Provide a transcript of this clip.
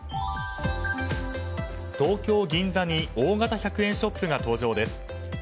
東京・銀座に大型１００円ショップが登場です。